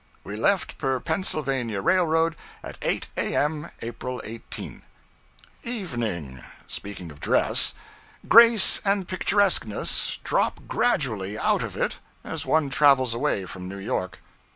We left per Pennsylvania Railroad, at 8 A.M. April 18. 'EVENING. Speaking of dress. Grace and picturesqueness drop gradually out of it as one travels away from New York.'